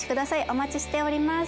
お待ちしております。